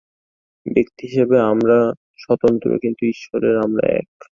ব্যক্তিহিসাবে আমরা স্বতন্ত্র, কিন্তু ঈশ্বরে আমরা এক।